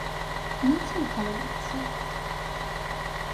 নিচেই ভালো লাগছে।